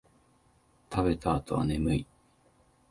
食べた後は眠い